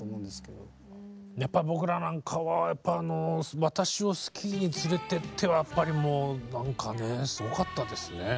やっぱ僕らなんかはやっぱあの「私をスキーに連れてって」はやっぱりもうなんかねすごかったですね。